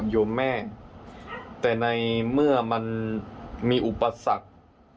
บวชพระย